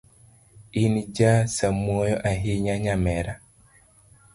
In ja samuoyo ahinya nyamera.